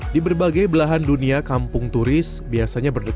di berbagai belahan dunia kampung turis biasanya berdekat